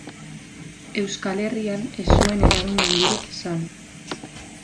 Euskal Herrian ez zuen eragin handirik izan.